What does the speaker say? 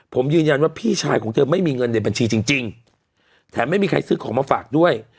ผมยืนยันว่าพี่ชายของเธอไม่มีเงินในบัญชีจริงแถมไม่มีใครซื้อของมาฝากด้วย